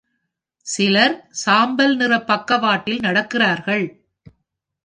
சிலர் சாம்பல் நிற பக்கவாட்டில் நடக்கிறார்கள்.